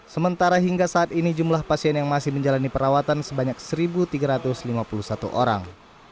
sementara hingga saat ini jumlah pasien yang masih menjalani perawatan sebanyak satu tiga ratus lima puluh satu orang